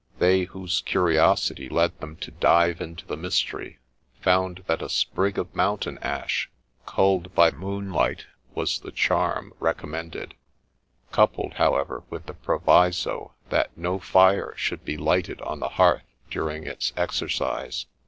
They whose curiosity led them to dive into the mystery, found that a sprig of mountain ash culled by moonlight was the charm recommended, coupled, however, with the proviso that no fire should be lighted on the hearth during its exercise.